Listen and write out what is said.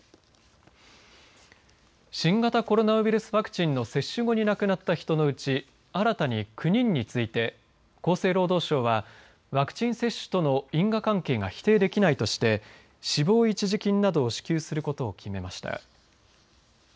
新型コロナウイルスワクチンの接種後に亡くなった人のうち新たに９人について厚生労働省はワクチン接種との因果関係が否定できないとして死亡一時金などを支給することを決めました。